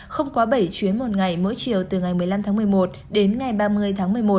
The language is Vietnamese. không quá bảy chuyến một ngày mỗi chiều từ ngày một mươi năm tháng một mươi một đến ngày ba mươi tháng một mươi một